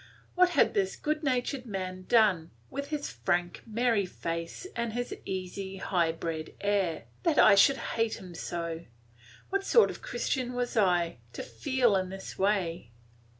What had this good natured man done, with his frank, merry face and his easy, high bred air, that I should hate him so? What sort of Christian was I, to feel in this way?